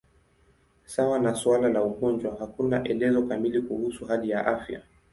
Sawa na suala la ugonjwa, hakuna elezo kamili kuhusu hali ya afya.